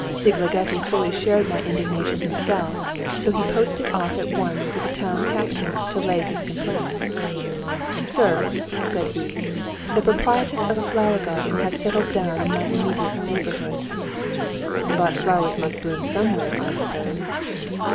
Szigligeti fully shared my indignation himself, so he posted off at once to the Town Captain to lay his complaint. "Sir," said he, "the proprietress of a flower garden has settled down in my immediate neighbourhood." "But flowers must bloom somewhere, I suppose?"